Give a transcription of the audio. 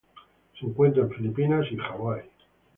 Se encuentran en Filipinas y Hawaii.